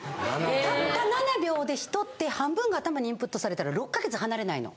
たった７秒で人って半分が頭にインプットされたら６か月離れないの。